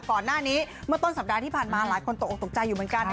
ก่อนหน้านี้เมื่อต้นสัปดาห์ที่ผ่านมาหลายคนตกออกตกใจอยู่เหมือนกัน